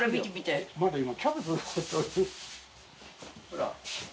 ほら。